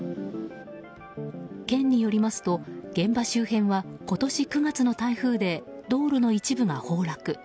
県によりますと現場周辺は今年９月の台風で道路の一部が崩落。